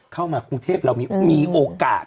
เข้ามากรุงเทพเรามีโอกาส